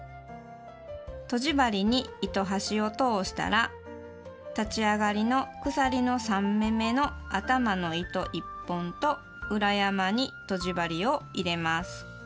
とじ針に糸端を通したら立ち上がりの鎖の３目めの頭の糸１本と裏山にとじ針を入れます。